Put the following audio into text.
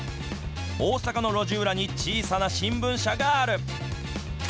大阪の路地裏に小さな新聞社がある。